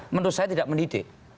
menurut saya tidak mendidik